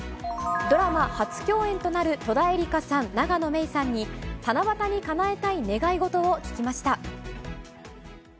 ドラマ初共演となる戸田恵梨香さん、永野芽郁さんに、七夕にかなえたい願い事を聞きました。